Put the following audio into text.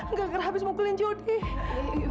nggak kena habis mukulin jody